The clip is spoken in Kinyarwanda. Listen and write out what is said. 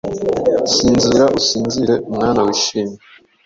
Sinzira, usinzire, mwana wishimye!